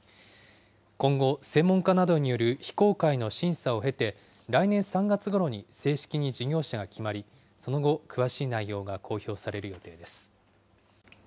今後、専門家などによる非公開の審査を経て、来年３月ごろに正式に事業者が決まり、その後、詳しい内容が公表される予定です。